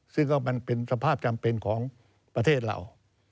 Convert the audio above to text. ซึ่งก็มันเป็นสภาพจำเป็นของประเทศเรา